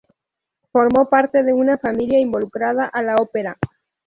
Formó parte de una familia involucrada a la ópera.